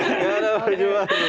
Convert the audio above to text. enggak ada baju baru